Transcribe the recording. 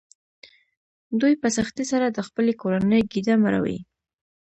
دوی په سختۍ سره د خپلې کورنۍ ګېډه مړوي